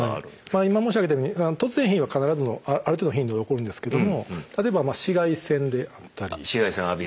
今申し上げたように突然変異は必ずある程度の頻度で起こるんですけども例えば紫外線を浴びる。